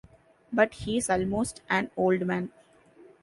But he is almost an old man.